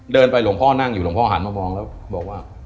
เดินไปหลวงพ่อนั่งอยู่หลวงพ่อหันมามองแล้วบอกว่า